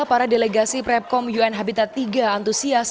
para delegasi prepkom un habitat tiga antusias